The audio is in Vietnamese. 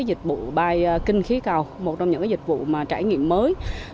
dịch vụ bay kinh khí cầu một trong những dịch vụ mà trải nghiệm mới